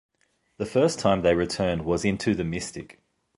The first time they returned was in "Into The Mystic".